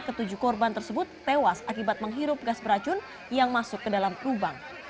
ketujuh korban tersebut tewas akibat menghirup gas beracun yang masuk ke dalam lubang